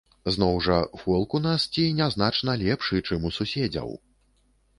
Зноў жа, фолк у нас ці не значна лепшы, чым у суседзяў!